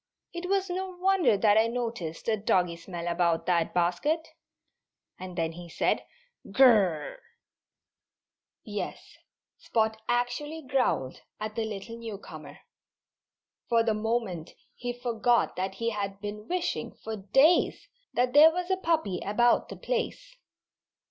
"It was no wonder that I noticed a doggy smell about that basket." And then he said, "G r r r!" Yes! Spot actually growled at the little newcomer. For the moment he forgot that he had been wishing, for days, that there was a puppy about the place.